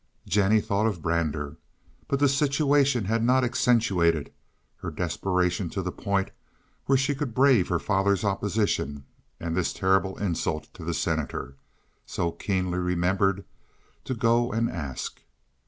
Jennie thought of Brander, but the situation had not accentuated her desperation to the point where she could brave her father's opposition and his terrible insult to the Senator, so keenly remembered, to go and ask.